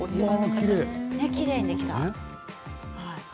きれいにできた。